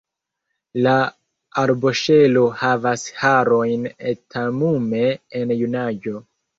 La arboŝelo havas harojn etamume en junaĝo.